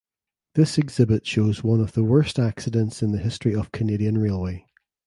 This exhibit shows one of the worst accidents in the history of Canadian Railway.